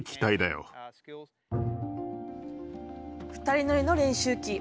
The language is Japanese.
２人乗りの練習機。